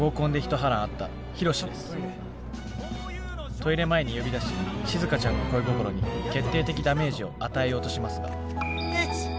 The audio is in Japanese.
トイレ前に呼び出ししずかちゃんの恋心に決定的ダメージを与えようとしますが。